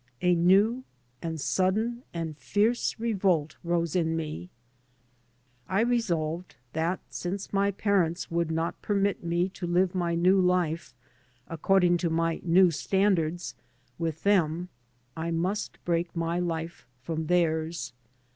A new and sudden and fierce revolt rose in me. I resolved that, since my parents would not permit me to live my new life according to my new standards with them, I must break my life from theirs.